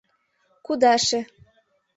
Кудаше.